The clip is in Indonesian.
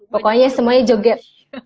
pokoknya semuanya joget